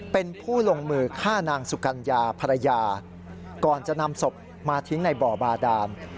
เป็นผู้ลงมือฆ่านางสุกัญญาภรรยาก่อนจะนำศพมาทิ้งในบ่อบาดาน